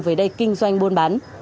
về đây kinh doanh